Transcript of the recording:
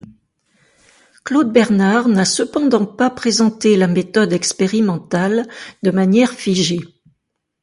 Claude Bernard n’a cependant pas présenté la méthode expérimentale de manière figée.